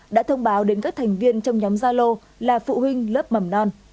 đã thông báo đến các thành viên trong nhóm gia lô là phụ huynh lớp mầm non